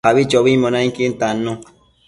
Abichobimbo nainquin tannu